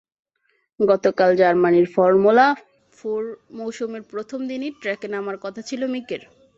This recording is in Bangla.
গতকাল জার্মানির ফর্মুলা ফোর মৌসুমের প্রথম দিনই ট্র্যাকে নামার কথা ছিল মিকের।